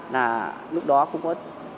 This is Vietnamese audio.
là lúc đó cũng có